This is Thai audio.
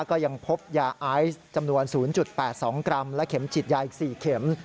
ก็ยังพบยาไอซ์จำนวน๐๘๒กรัมและเข็มฉีดยาอีก๔เข็ม